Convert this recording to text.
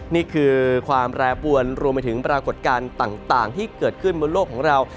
นี่คือความแปรปวนรวมไปถึงปรากฏการณ์ต่างที่เกิดขึ้นบนโลกของเรา